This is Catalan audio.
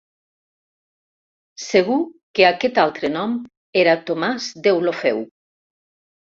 Segur que aquest altre nom era «Tomàs Deulofeu».